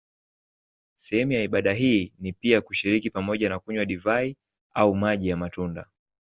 Sehemu ya ibada hii ni pia kushiriki pamoja kunywa divai au maji ya matunda.